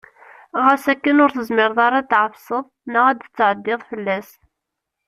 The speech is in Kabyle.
Ɣas akken ur tezmireḍ ara ad t-tɛefseḍ neɣ ad t-ttɛeddiḍ fell-as.